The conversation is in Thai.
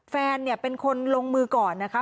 แฟนเนี่ยเป็นคนลงมือก่อนนะคะ